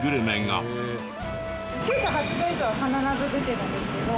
９８度以上必ず出てるんですけど。